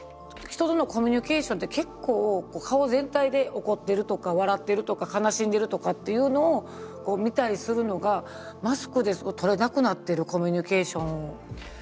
人とのコミュニケーションって結構顔全体で怒ってるとか笑ってるとか悲しんでるとかっていうのをこう見たりするのがマスクで取れなくなってるコミュニケーションを。